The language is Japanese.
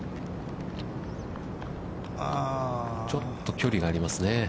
ちょっと距離がありますね。